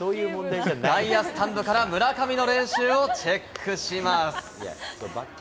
外野スタンドから村上の練習をチェックします。